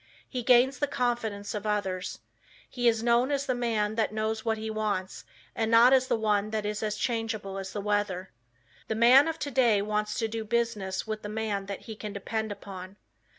He gains the confidence of others. He is known as the man that knows what he wants, and not as one that is as changeable as the weather. The man of today wants to do business with the man that he can depend upon.